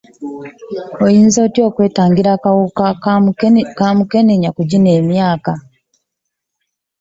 Olinza otya okwetangira akawuka ka mukenenya ku gino emyaka.